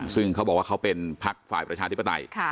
ซึ่งเขาบอกว่าเขาเป็นพักฝ่ายประชาธิปไตย